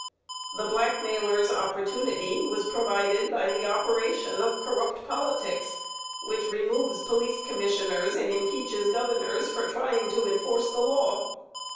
The blackmailer's opportunity was provided by the operation of corrupt politics, which removes police commissioners and impeaches governors for trying to enforce the law.